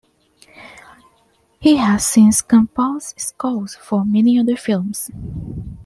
He has since composed scores for many other films.